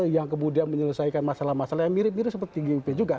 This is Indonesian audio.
yang kemudian menyelesaikan masalah masalah yang mirip mirip seperti gup juga